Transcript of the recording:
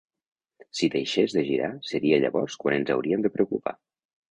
Si deixés de girar, seria llavors quan ens hauríem de preocupar.